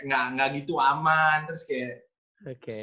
nggak gitu aman terus kayak